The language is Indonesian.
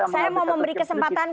saya mau memberi kesempatan